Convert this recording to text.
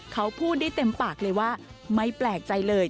เขาพูดได้เต็มปากเลยว่าไม่แปลกใจเลย